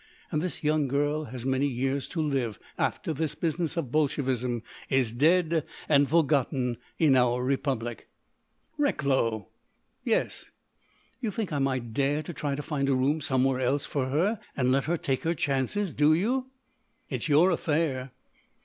And this young girl has many years to live, after this business of Bolshevism is dead and forgotten in our Republic." "Recklow!" "Yes?" "You think I might dare try to find a room somewhere else for her and let her take her chances? Do you?" "It's your affair."